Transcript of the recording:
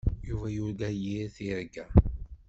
Yuba yurga yir targit.